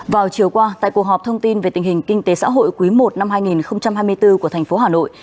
vào chiều qua tại cuộc họp thông tin về tình hình kinh tế xã hội quý i năm hai nghìn hai mươi bốn của thành phố hà nội